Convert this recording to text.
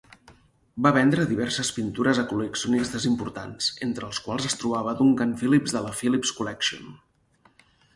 Va vendre diverses pintures a col·leccionistes importants, entre els quals es trobava Duncan Phillips de la Phillips Collection.